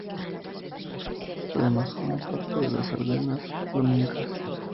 Además forma parte de las Ardenas flamencas.